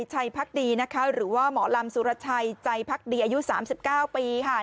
ใจพักดีนะคะหรือว่าหมอลำสุรชัยใจพักดีอายุสามสิบเก้าปีค่ะ